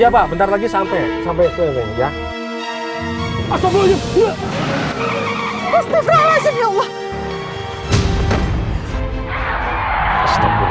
ya pak bentar lagi sampai sampai ya